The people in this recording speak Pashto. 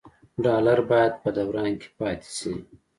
ډالر باید په دوران کې پاتې شي.